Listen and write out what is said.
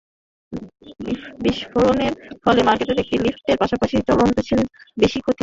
বিস্ফোরণের ফলে মার্কেটের একটি লিফটের পাশাপাশি চলন্ত সিঁড়িটির বেশি ক্ষতি হয়েছে।